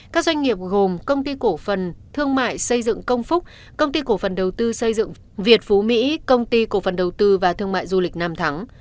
các doanh nghiệp gồm công ty cổ phần thương mại xây dựng công phúc công ty cổ phần đầu tư xây dựng việt phú mỹ công ty cổ phần đầu tư và thương mại du lịch nam thắng